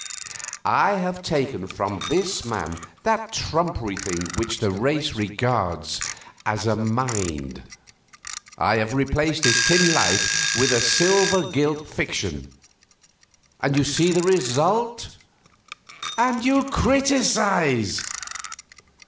I have taken from this man that trumpery thing which the race regards as a Mind; I have replaced his tin life with a silver gilt fiction; you see the result and you criticize!